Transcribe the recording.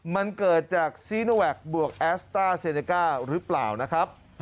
มันเกิดจากซีโนแวคบวกแอสต้าเซเนก้าหรือเปล่านะครับ